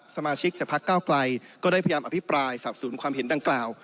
สมาชิกจากพักเก้าไกลก็ได้พยายามอภิปรายสับสนความเห็นดังกล่าว